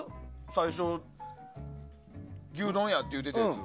最初、牛丼やって言ってたやつ。